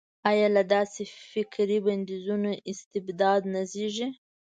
ایا له داسې فکري بندیزونو استبداد نه زېږي.